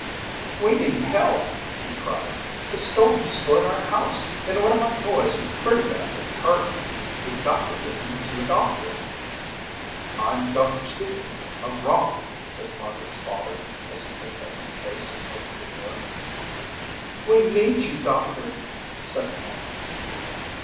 "We need help," he cried. "The storm destroyed our house and one of my boys was pretty badly hurt. We've got to get him to a doctor." "I'm Doctor Stevens of Rolfe," said Margaret's father as he picked up his case and opened the door. "We need you doctor," said the farmer.